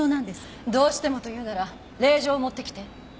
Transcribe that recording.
どうしてもというなら令状を持ってきて。